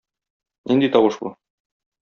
Нинди тавыш бу?